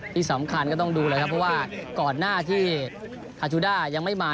ที่สำคัญก็ต้องดูเลยครับเพราะว่าก่อนหน้าที่อาจูด้ายังไม่มา